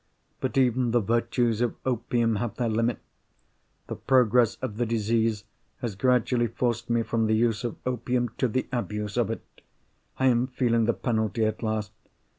But even the virtues of opium have their limit. The progress of the disease has gradually forced me from the use of opium to the abuse of it. I am feeling the penalty at last.